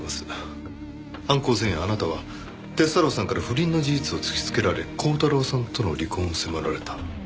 犯行前夜あなたは鐵太郎さんから不倫の事実を突きつけられ鋼太郎さんとの離婚を迫られた。